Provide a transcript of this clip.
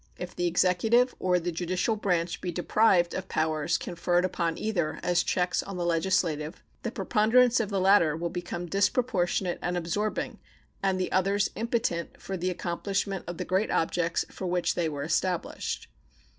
If the executive or the judicial branch be deprived of powers conferred upon either as checks on the legislative, the preponderance of the latter will become disproportionate and absorbing and the others impotent for the accomplishment of the great objects for which they were established.